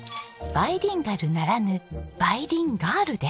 バイリンガルならぬ梅林ガールです！